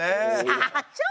社長！